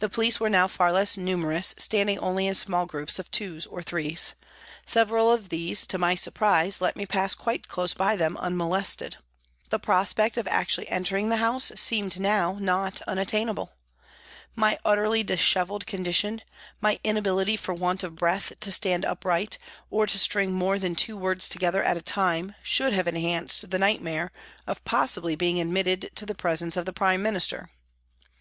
The police were now far less numerous, standing only in small groups of twos and threes. Several of these to my surprise let me pass quite close by them unmolested. The prospect of actually entering the House seemed now not unattainable. My utterly dishevelled condition, my inability for want of breath to stand upright or to string more than two words together at a time, should have enhanced the nightmare of possibly being admitted to the presence of the Prime Minister.